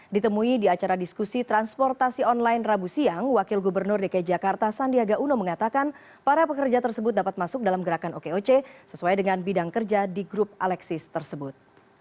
ditemui di acara diskusi transportasi online rabu siang wakil gubernur dki jakarta sandiaga uno mengatakan para pekerja tersebut dapat masuk dalam gerakan okoc sesuai dengan bidang kerja di grup alexis tersebut